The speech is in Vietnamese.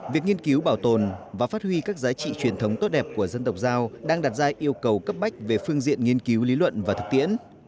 việc nghiên cứu bảo tồn và phát huy các giá trị truyền thống tốt đẹp của dân tộc giao đang đặt ra yêu cầu cấp bách về phương diện nghiên cứu lý luận và thực tiễn